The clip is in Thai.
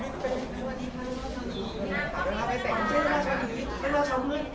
สวัสดีครับสวัสดีครับ